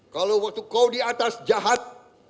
kalau waktu kau di atas jahat